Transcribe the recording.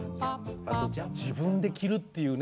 自分で着るっていうね。